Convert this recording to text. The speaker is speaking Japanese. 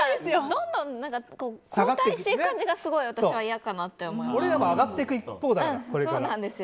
どんどん後退していく感じがすごい私は嫌かなと思います。